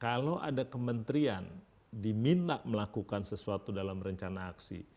kalau ada kementerian diminta melakukan sesuatu dalam rencana aksi